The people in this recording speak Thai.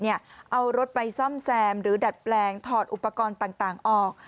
เอารถไปซ่อมแซมหรือดัดแปลงถอดอุปกรณ์ต่างออก